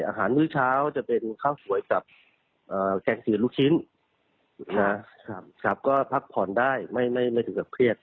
อาหารคืนเช้าจะเป็นข้าวสวยกับแกงสีลูกชิ้นนอนก็พักผ่อนแล้วก็ไม่เจอเปียก